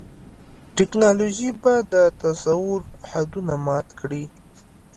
ټیکنالوژي به د تصور حدونه مات کړي.